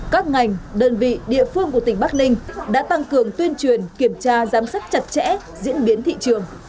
các ngành đơn vị địa phương của tỉnh bắc ninh đã tăng cường tuyên truyền kiểm tra giám sát chặt chẽ diễn biến thị trường